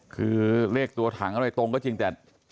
คือเลขตัวถังอะไรตรงก็จริงแต่